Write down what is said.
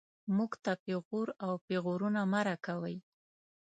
موږ ته پېغور او پېغورونه مه راکوئ